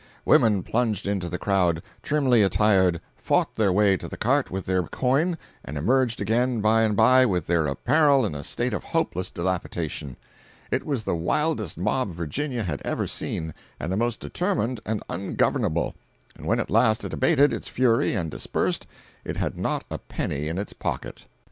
Women plunged into the crowd, trimly attired, fought their way to the cart with their coin, and emerged again, by and by, with their apparel in a state of hopeless dilapidation. It was the wildest mob Virginia had ever seen and the most determined and ungovernable; and when at last it abated its fury and dispersed, it had not a penny in its pocket.